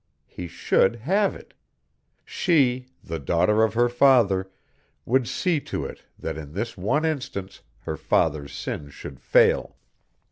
He should have it! She, the daughter of her father, would see to it that in this one instance her father's sin should fail!